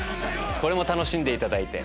これも楽しんでいただいて。